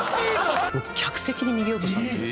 客席に逃げようとしたんですよ。